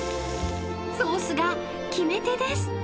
［ソースが決め手です］